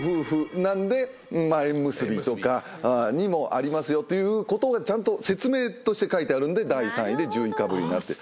なんで縁結びとかにもありますよということがちゃんと説明として書いてあるんで第３位で１０かぶりになってる。